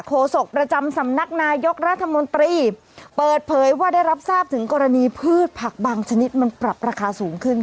โศกประจำสำนักนายกรัฐมนตรีเปิดเผยว่าได้รับทราบถึงกรณีพืชผักบางชนิดมันปรับราคาสูงขึ้น